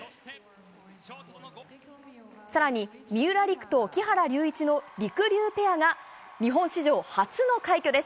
さらに、三浦璃来と木原龍一のりくりゅうペアが、日本史上初の快挙です。